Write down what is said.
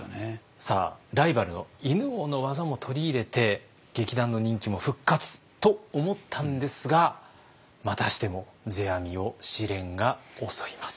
さあライバルの犬王の技も取り入れて劇団の人気も復活と思ったんですがまたしても世阿弥を試練が襲います。